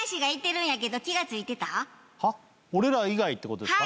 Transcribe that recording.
俺ら以外って事ですか？